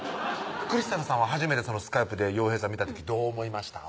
クリスティナさんは初めてＳｋｙｐｅで陽平さん見た時どう思いました？